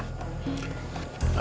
langsung kepada putri bapak